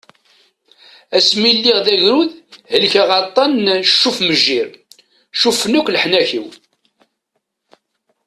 Ass mi lliɣ d agrud helkeɣ aṭan n "Cuff-mejjir", cuffen akk leḥnak-iw.